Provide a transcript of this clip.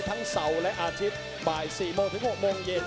กันต่อแพทย์จินดอร์